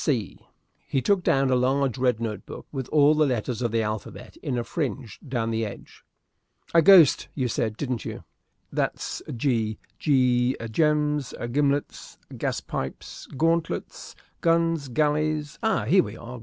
Here he took down a large red note book, with all the letters of the alphabet in a fringe down the edge. "A ghost you said, didn't you. That's G. G gems gimlets gaspipes gauntlets guns galleys. Ah, here we are!